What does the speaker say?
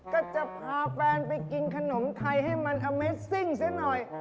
ก็จะพาแฟนไปกินขนมไทยให้มันอเมซิ่งซะหน่อย